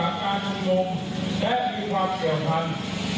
และมีความเสื่อมพันธุ์ก็คือผู้คนที่มีคือชูสามนิ้วอยู่ตรงนี้เอง